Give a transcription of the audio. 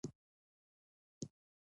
دښمن خپل ځواک کارولی دی.